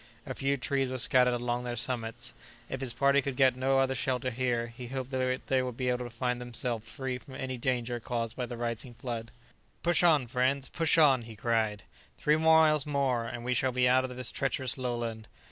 A few trees were scattered along their summits; if his party could get no other shelter here, he hoped they would be able to find themselves free from any danger caused by the rising flood. "Push on, friends, push on!" he cried; "three miles more, and we shall be out of this treacherous lowland."